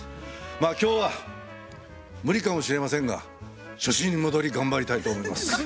今日は無理かもしれませんが初心に戻り頑張りたいと思います。